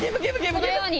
このように。